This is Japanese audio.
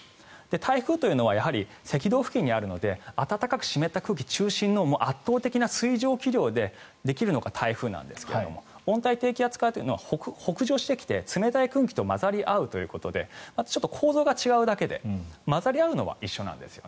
台風というのはやはり、赤道付近にあるので暖かく湿った空気中心の圧倒的な水蒸気量でできるのが台風なんですが温帯低気圧化というのは北上してきて、冷たい空気と混ざり合うということでちょっと構造が違うだけで混ざり合うのは一緒なんです。